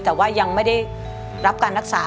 แต่ว่ายังไม่ได้รับการรักษา